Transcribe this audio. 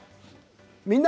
「みんな！